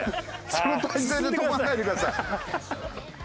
その体勢で止まんないでください。